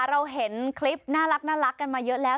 เราเห็นคลิปน่ารักกันมาเยอะแล้ว